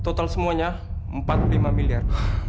total semuanya empat puluh lima miliar